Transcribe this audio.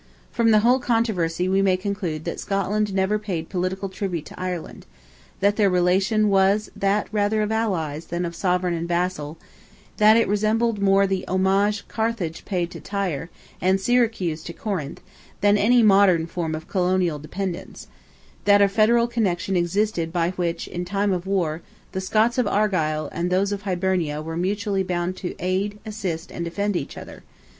From the whole controversy we may conclude that Scotland never paid political tribute to Ireland; that their relation was that rather of allies, than of sovereign and vassal; that it resembled more the homage Carthage paid to Tyre, and Syracuse to Corinth, than any modern form of colonial dependence; that a federal connection existed by which, in time of war, the Scots of Argyle, and those of Hibernia, were mutually bound to aid, assist, and defend each other.